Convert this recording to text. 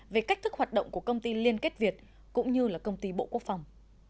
về cách thức hoạt động của công ty liên kết việt cũng như công ty bộ quốc phòng